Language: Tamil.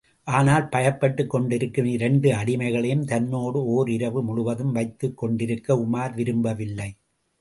ஆனால் பயப்பட்டுக் கொண்டிருக்கும் இரண்டு அடிமைகளையும் தன்னோடு ஓர் இரவு முழுவதும் வைத்துக் கொண்டிருக்க உமார் விரும்பவில்லை.